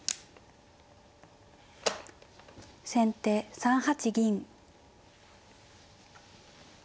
先手３八銀。